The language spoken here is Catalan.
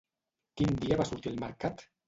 Quin dia va sortir al mercat?